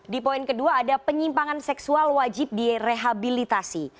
di poin kedua ada penyimpangan seksual wajib direhabilitasi